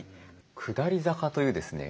「下り坂」というですね